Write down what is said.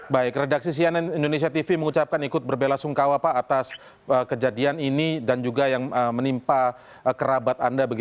baik redaksi cnn indonesia tv mengucapkan ikut berbela sungkawa pak atas kejadian ini dan juga yang menimpa kerabat anda